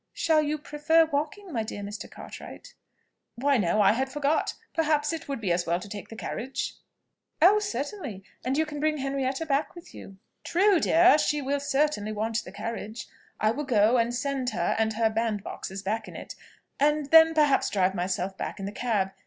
"Shall you prefer walking, my dear Mr. Cartwright?" "Why no: I had forgot: perhaps it would be as well to take the carriage." "Oh, certainly! And you can bring Henrietta back with you." "True, dear, she will certainly want the carriage: I will go, and send her and her bandboxes back in it and then, perhaps, drive myself back in the cab.